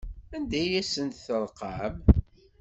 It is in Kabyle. Anda ay asent-terqam?